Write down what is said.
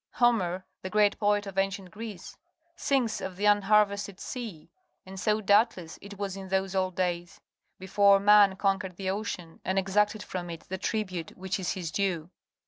Homer, the great poet of ancient Greece, sings of the "unharvested sea," and so, doubtless, it was in those old days, before man conquered the ocean and exacted from it the tribute wliich is his due.